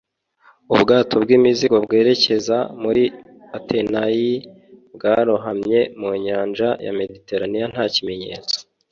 ubwato bw'imizigo bwerekezaga muri atenayi, bwarohamye mu nyanja ya mediterane nta kimenyetso